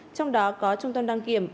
trong đó có trung tâm đăng kiểm bảy mươi một